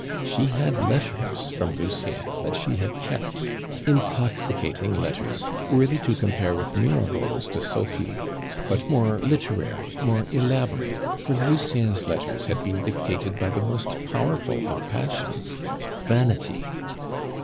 She had letters from Lucien that she had kept, intoxicating letters worthy to compare with Mirabeau's to Sophie, but more literary, more elaborate, for Lucien's letters had been dictated by the most powerful of passions Vanity.